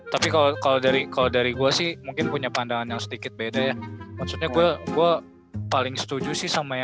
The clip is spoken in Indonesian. tapi kalo dari gua sih mungkin punya pandangan yang sedikit beda ya maksudnya gua paling setuju sih sama yang vincent tadi mungkin emang yang salah itu dari sistem voting awalnya ya